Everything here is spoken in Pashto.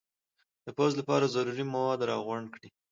د پوځ لپاره ضروري مواد را غونډ کړي.